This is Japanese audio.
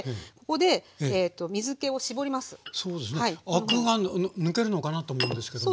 アクが抜けるのかなと思うんですけども。